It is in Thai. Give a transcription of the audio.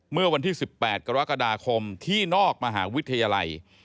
เมื่อวันที่๑๘กรกฎาคมที่นอกมหาวิทยาลัย